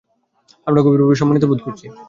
আমরা গভীরভাবে সম্মানিতবোধ করছি।